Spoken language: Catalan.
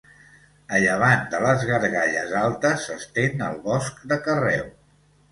A llevant de les Gargalles Altes s'estén el Bosc de Carreu.